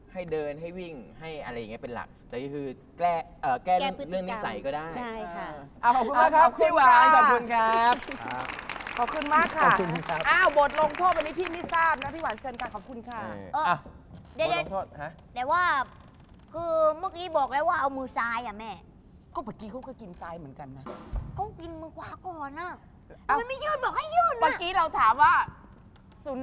เฮ้ยตัวนี้กลับไม่ทัน